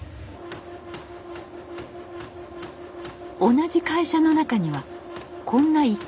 同じ会社の中にはこんな一角も。